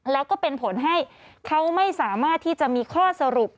แล้วก็เป็นผลให้เขาไม่สามารถที่จะมีข้อสรุป